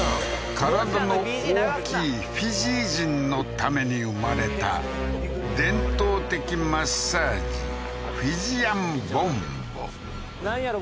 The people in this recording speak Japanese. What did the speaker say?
身体の大きいフィジー人のために生まれた伝統的マッサージフィジアン・ボンボなんやろ？